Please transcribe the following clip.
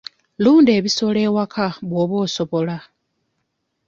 Lunda ebisolo ewaka bw'oba osobola.